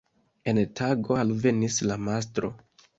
En tago, alvenis la mastro.